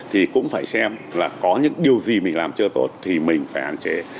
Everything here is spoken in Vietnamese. thì mình phải hạn chế